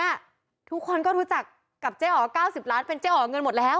ตอนนี้ทุกคนก็ดูจากกับเจ๊อ๋อครับ๙๐ล้านเป็นเจ๊อ๋อครับเงินหมดแล้ว